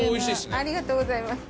・ありがとうございます。